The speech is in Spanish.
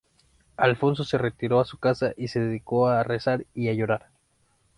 Alfonso se retiró a su casa y se dedicó a rezar y a llorar.